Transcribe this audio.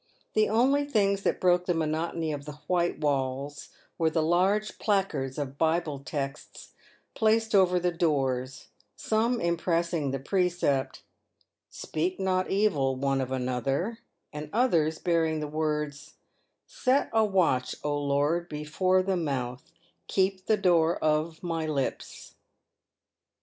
The only things that broke the monotony of the white walls were the large placards of Bible texts placed over the doors, some impressing the precept, " Speak not evil one op another," and others bearing the words, " Set a watch O Loud BEFORE " MOUTH, KEEP THE DOOR OP MY LIPS."